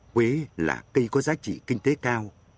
quế là cây có giá trị kinh tế cao